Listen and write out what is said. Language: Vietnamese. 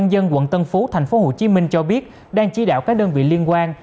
dân quận tân phú tp hcm cho biết đang chỉ đạo các đơn vị liên quan